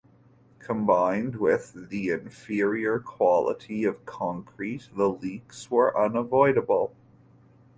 Combined with the inferior quality of concrete, the leaks were unavoidable.